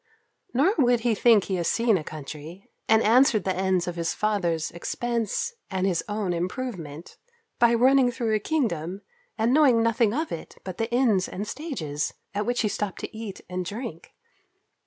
Nor would he think he has seen a country, and answered the ends of his father's expence, and his own improvement, by running through a kingdom, and knowing nothing of it, but the inns and stages, at which he stopped to eat and drink.